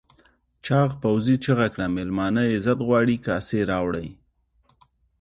چاغ پوځي چیغه کړه مېلمانه عزت غواړي کاسې راوړئ.